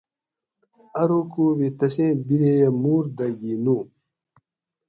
ارو کو بھی تسیں بِریہ موُر دہ گھی نُو